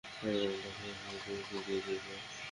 একজন দক্ষ অনুসারীর পরিচয় দিয়েছে সে।